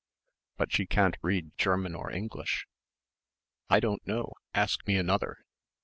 "But she can't read German or English...." "I don't know. Ask me another."